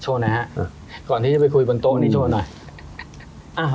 นะฮะก่อนที่จะไปคุยบนโต๊ะนี้โชว์หน่อย